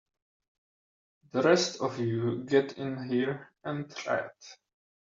The rest of you get in here and riot!